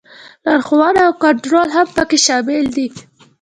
لارښوونه او کنټرول هم پکې شامل دي.